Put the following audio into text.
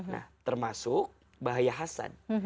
nah termasuk bahaya hasan